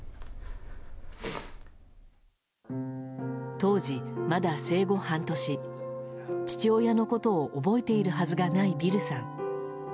当時、まだ生後半年父親のことを覚えているはずがないビルさん。